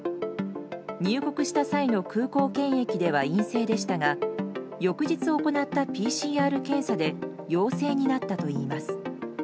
入国した際の空港検疫では陰性でしたが翌日行ったＰＣＲ検査で陽性になったといいます。